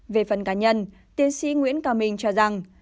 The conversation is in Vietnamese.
về phần cá nhân tiến sĩ nguyễn cao minh cho rằng